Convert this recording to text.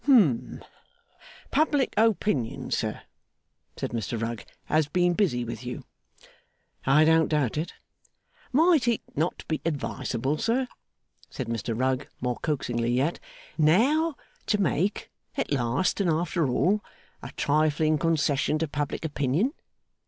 'Hum! Public opinion, sir,' said Mr Rugg, 'has been busy with you.' 'I don't doubt it.' 'Might it not be advisable, sir,' said Mr Rugg, more coaxingly yet, 'now to make, at last and after all, a trifling concession to public opinion?